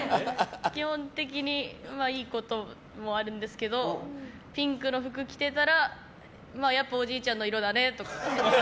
基本的にはいいこともあるんですけどピンクの服着てたらやっぱおじいちゃんの色だねとか。